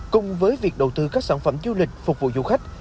cùng với việc đầu tư các sản phẩm du lịch phục vụ du khách